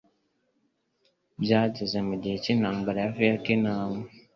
Byageze mu gihe cy'intambara ya Vietnam